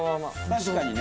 確かにね。